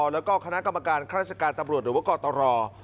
แล้วก็คณะกรรมการข้าราชการตำรวจหรือว่ากตร